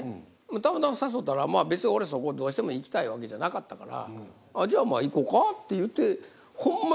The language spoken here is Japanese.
たまたま誘ったら「別に俺そこどうしても行きたいわけじゃなかったからじゃあまあ行こか」って言うてほんまに。